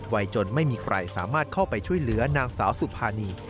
จนไม่มีใครสามารถเข้าไปช่วยเหลือนางสาวสุภานี